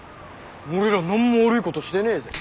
俺ら何も悪いことしてねえぜ。